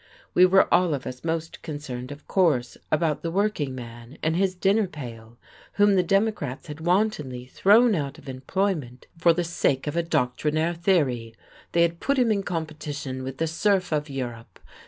We were all of us most concerned, of course, about the working man and his dinner pail, whom the Democrats had wantonly thrown out of employment for the sake of a doctrinaire theory. They had put him in competition with the serf of Europe.